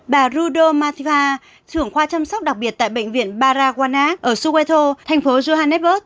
bà rudo mathiva thưởng khoa chăm sóc đặc biệt tại bệnh viện paragwana ở soweto tp johannesburg